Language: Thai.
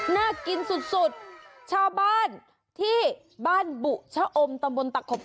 น่ากินสุดสุดชาวบ้านที่บ้านบุชะอมตำบลตะขบ